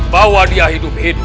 bahwa dia hidup hidup